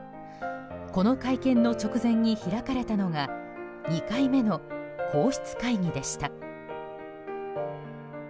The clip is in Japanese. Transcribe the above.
この会見の直前に開かれたのが２回目の皇室会議でした。